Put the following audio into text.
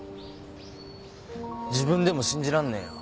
自分でも信じらんねえよ。